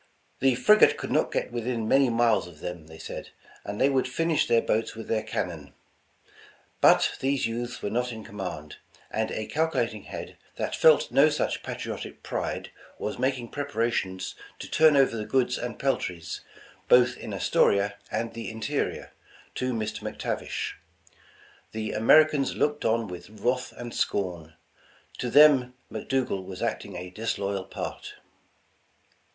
The frigate could not get within many miles of them, they said, and they would finish their boats with their cannon. But these youths were not in command, and 220 England's Trophy a calculating head that felt no such patriotic pride, was making preparations to turn over the goods and peltries, both in Astoria and the interior, to Mr. McTav ish. The Americans looked on with wrath and scorn. To them McDougal was acting a disloyal part.